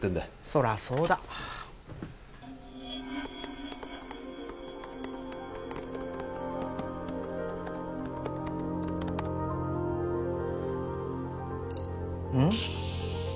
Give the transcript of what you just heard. そらそうだうん？